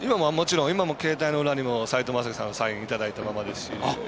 今も携帯の裏にも斎藤雅樹さんのサインいただいたままですし。